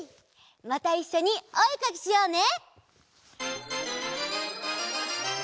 またいっしょにおえかきしようね！